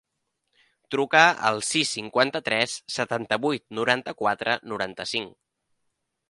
Truca al sis, cinquanta-tres, setanta-vuit, noranta-quatre, noranta-cinc.